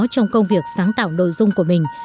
trong công việc sáng tạo nội dung của mình